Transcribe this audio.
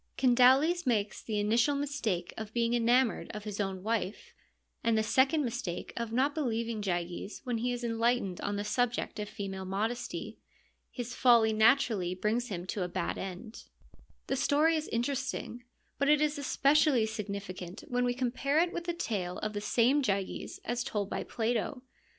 Candaules makes the initial mistake of being enamoured of his own wife, and the second mistake of not believing Gyges when he is enlightened on the subject of female modesty. His folly naturally brings him to a bad end. The story is interesting, but it is especially signi ficant when we compare it with the tale of the same Gyges as told by Plato.